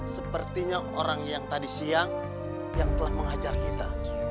sepertinya orang yang tadi siang yang telah mengajar kita